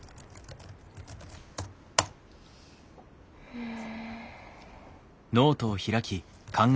うん。